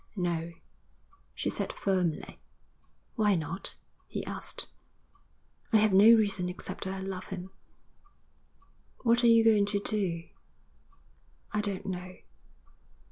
'No,' she said firmly. 'Why not?' he asked. 'I have no reason except that I love him.' 'What are you going to do?' 'I don't know.'